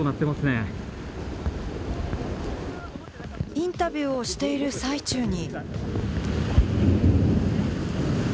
インタビューをしている最中に。